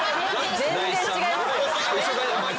全然違います。